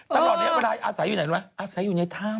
ตลอดระยะเวลาอาศัยอยู่ไหนรู้ไหมอาศัยอยู่ในถ้ำ